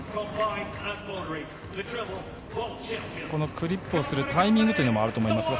クリップをするタイミングもあると思いますが。